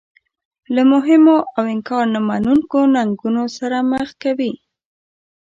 له مهمو او انکار نه منونکو ننګونو سره مخ کوي.